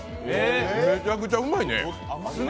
めちゃくちゃうまいね！